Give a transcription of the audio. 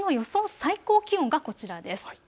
最高気温がこちらです。